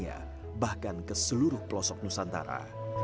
pada lingkungan sekitarnya bahkan ke seluruh pelosok nusantara